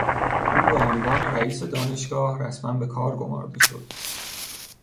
او به عنوان رییس دانشگاه رسما به کار گمارده شد.